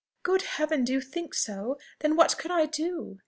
"Good Heaven! do you think so? Then what can I do?"